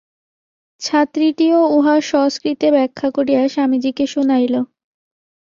ছাত্রীটিও উহার সংস্কৃতে ব্যাখ্যা করিয়া স্বামীজীকে শুনাইল।